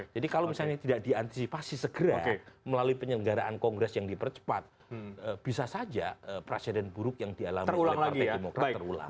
kalau misalnya tidak diantisipasi segera melalui penyelenggaraan kongres yang dipercepat bisa saja presiden buruk yang dialami oleh partai demokrat terulang